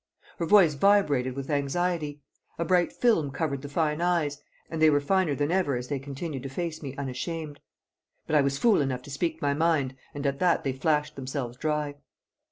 Her voice vibrated with anxiety. A bright film covered the fine eyes, and they were finer than ever as they continued to face me unashamed; but I was fool enough to speak my mind, and at that they flashed themselves dry.